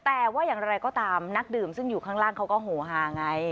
แต่ว่าอย่างไรก็ตามนักดื่มซึ่งอยู่ข้างล่างเขาก็โหฮาไง